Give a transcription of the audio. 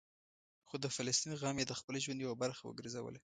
خو د فلسطین غم یې د خپل ژوند یوه برخه وګرځوله.